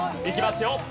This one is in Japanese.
いきますよ。